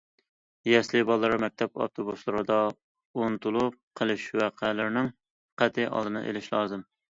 يەسلى بالىلىرى مەكتەپ ئاپتوبۇسلىرىدا ئۇنتۇلۇپ قېلىش ۋەقەلىرىنىڭ قەتئىي ئالدىنى ئېلىش لازىم.